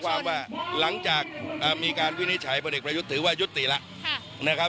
หรือว่าหลังจากมีการวินิจฉัยประเด็นประยุทธ์ถือว่ายุติละ